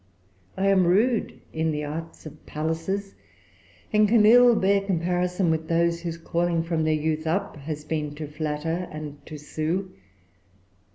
I am rude in the arts of palaces, and can ill bear comparison with those whose calling, from their youth up, has been to flatter and to sue.